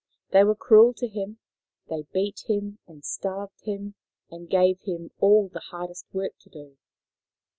They were cruel to him. They beat him and starved him and gave him all the hardest work to do.